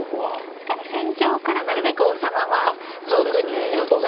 確かに戦場からなるべく王様は遠くに行っておきたいですね。